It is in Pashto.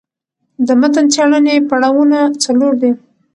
د متن څېړني پړاوونه څلور دي.